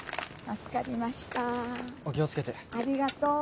ありがとう。